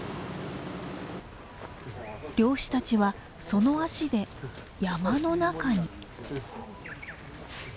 漁師たちはその足で山の中に。